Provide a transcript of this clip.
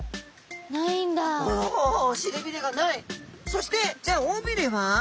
そしてじゃあおびれは？